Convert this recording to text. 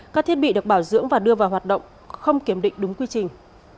các thiết bị được bảo dưỡng và đưa vào hoạt động không kiểm định đúng quy trình